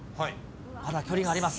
まだ距離があります。